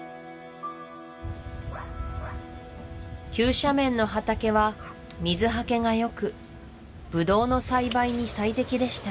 急斜面の畑は水はけがよくブドウの栽培に最適でした